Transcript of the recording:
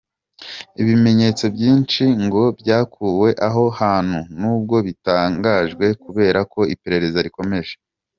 Ibimenyetso byinshi ngo byakuwe aho hantu nubwo bitatangajwe kubera ko iperereza rikomeje.